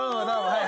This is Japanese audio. はい。